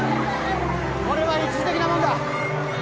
これは一時的なものだ。